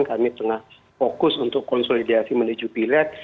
kami tengah fokus untuk konsolidasi menuju pileg